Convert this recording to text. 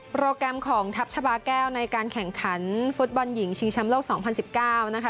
โปรแกรมของทัพชาบาแก้วในการแข่งขันฟุตบอลหญิงชิงแชมป์โลก๒๐๑๙นะคะ